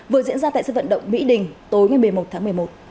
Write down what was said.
vừa diễn ra tại sân vận động mỹ đình tối ngày một mươi một tháng một mươi một